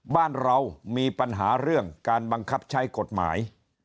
บ้านเรามีปัญหาเรื่องการบังคับใช้กฎหมาย